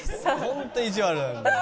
ホント意地悪なんだよ。